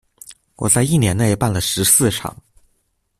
我在一年內辦了十四場